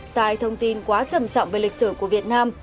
sai thông tin quá trầm trọng về lịch sử của việt nam